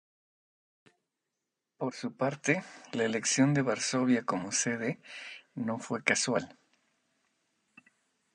Por su parte, la elección de Varsovia como sede no fue casual.